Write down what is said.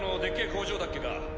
工場だっけか。